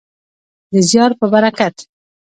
د زیار په برکت.